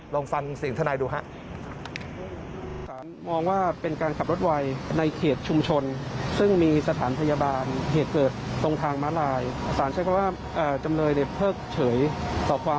ลองฟังเสียงทนายดูครับ